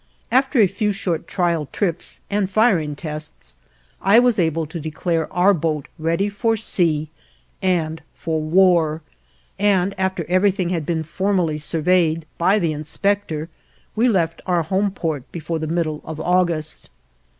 After a few short trial trips and firing tests, I was able to declare our boat ready for sea and for war, and after everything had been formally surveyed by the inspector we left our home port before the middle of August.